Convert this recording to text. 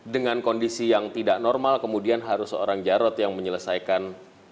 dengan kondisi yang tidak normal kemudian harus seorang jarod yang menyelesaikan